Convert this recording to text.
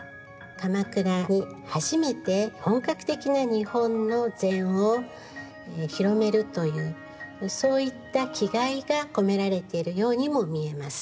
鎌倉に初めて本格的な日本の禅を広めるというそういった気概が込められているようにも見えます。